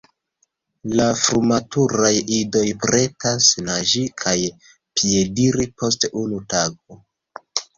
La frumaturaj idoj pretas naĝi kaj piediri post unu tago.